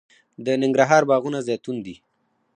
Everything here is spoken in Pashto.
د ننګرهار باغونه زیتون دي